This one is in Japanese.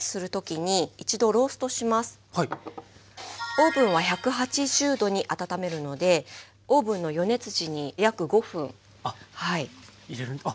オーブンは１８０℃に温めるのでオーブンの予熱時に約５分入れます。